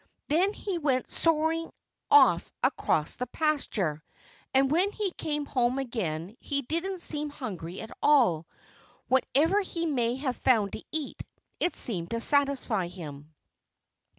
Then he went soaring off across the pasture. And when he came home again he didn't seem hungry at all. Whatever he may have found to eat, it seemed to satisfy him.